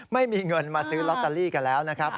ไม่มีเงินมาซื้อลอตเตอรี่กันแล้วนะครับ